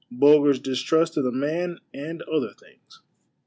— BULGER's DISTRUST OF THE MAN AND OTHER THINGS.